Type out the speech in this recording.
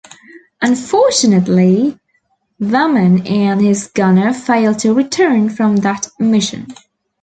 Unfortunately, Vammen and his gunner failed to return from that mission.